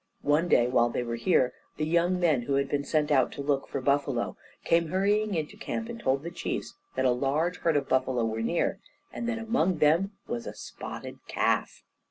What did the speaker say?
One day while they were here, the young men who had been sent out to look for buffalo, came hurrying into camp and told the chiefs that a large herd of buffalo were near, and that among them was a spotted calf.